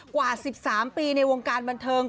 กว่า๑๓ปีในวงการบันเทิง